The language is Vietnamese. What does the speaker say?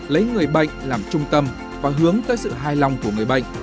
lấy người bệnh làm trung tâm và hướng tới sự hài lòng của người bệnh